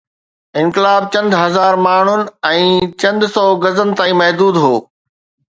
انقلاب چند هزار ماڻهن ۽ چند سو گز تائين محدود هو.